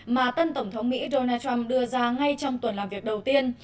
mà tân tổng thống mỹ donald trump đưa ra ngay trong tuần làm việc đầu tiên